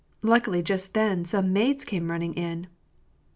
Luckily, just then, some maids came running in."